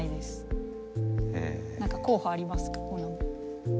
何か候補ありますか？